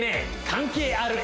関係ある！